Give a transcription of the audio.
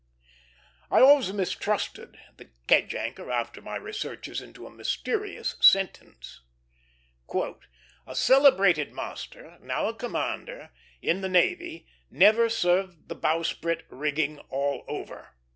I always mistrusted The Kedge Anchor after my researches into a mysterious sentence "A celebrated master, now a commander, in the navy never served the bowsprit rigging all over."